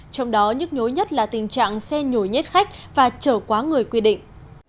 trong đó nhức nhối nhất là tình trạng xe nhổi nhét khách và trở quá người quy định